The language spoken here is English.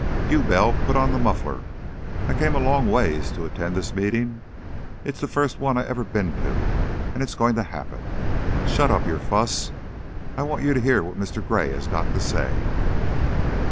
You, Bell, put on the muffler! I came a long ways to attend this meetin'. It's the first one I ever been to, an' it's goin' to happen. Shut up your fuss! I want you to hear what Mr. Gray's got to say."